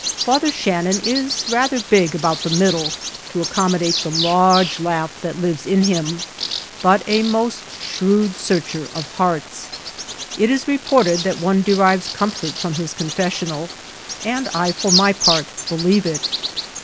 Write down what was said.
Father Shannon is rather big about the middle to accommodate the large laugh that lives in him, but a most shrewd searcher of hearts. It is reported that one derives comfort from his confessional, and I for my part believe it.